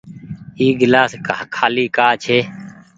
اي گلآس کآلي ڪآ ڇي ۔